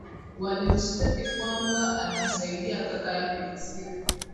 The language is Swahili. walimshtaki kwamba anamsaidia kaka yake kisiri